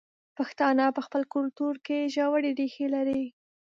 پښتانه په خپل کلتور کې ژورې ریښې لري.